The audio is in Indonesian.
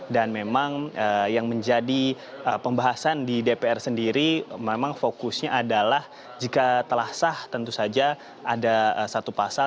dan memang yang menjadi pembahasan di dpr sendiri memang fokusnya adalah jika telah sah tentu saja ada satu pasal